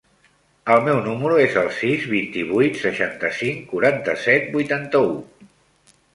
El meu número es el sis, vint-i-vuit, seixanta-cinc, quaranta-set, vuitanta-u.